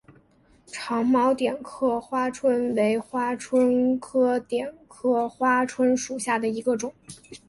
长毛点刻花蝽为花蝽科点刻花椿属下的一个种。